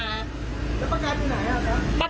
แล้วประกันไหนอะ